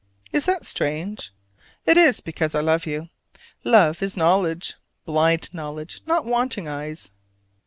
Is that strange? It is because I love you: love is knowledge blind knowledge, not wanting eyes.